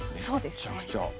めっちゃくちゃ。